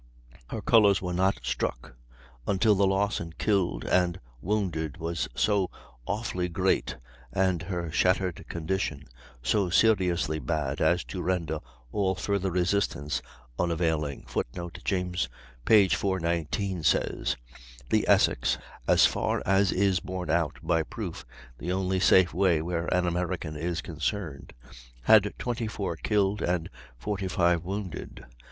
Her colors were not struck until the loss in killed and wounded was so awfully great and her shattered condition so seriously bad as to render all further resistance unavailing." [Footnote: James (p. 419) says: "The Essex, as far as is borne out by proof (the only safe way where an American is concerned), had 24 men killed and 45 wounded.